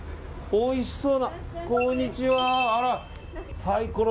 おいしそう！